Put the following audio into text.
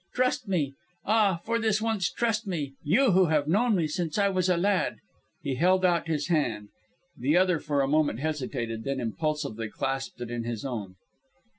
Trust me. Ah, for this once trust me, you who have known me since I was a lad." He held out his hand. The other for a moment hesitated, then impulsively clasped it in his own.